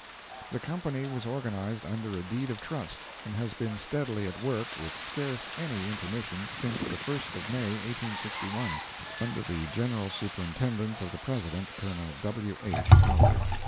—]... The company was organized under a deed of trust, and has been steadily at work, with scarce any intermission, since the 1st of May, 1861—under the general superintendence of the President, Col. W. H. Howard.